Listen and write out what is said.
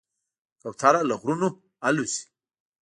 کوتره له غرونو الوزي.